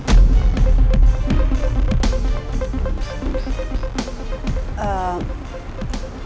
mungkin aku bisa manfaatin ini untuk cari hasil medical check up nya pak jaka di rumah nawang